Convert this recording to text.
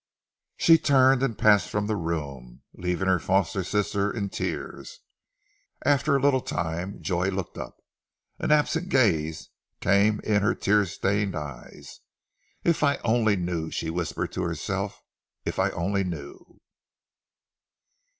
She turned and passed from the room, leaving her foster sister in tears. After a little time Joy looked up. An absent gaze came in her tear stained eyes. "If I only knew!" she whispered to herself, "if I only knew!"